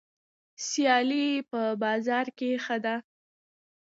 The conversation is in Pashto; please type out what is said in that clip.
سیالي په بازار کې ښه ده.